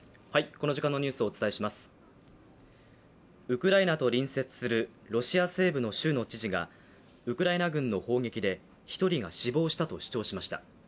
ウクライナと隣接するロシア西部の州の知事がウクライナ軍の砲撃で１人が死亡したと主張しました。